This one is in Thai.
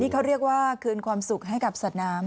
เขาเรียกว่าคืนความสุขให้กับสัตว์น้ำ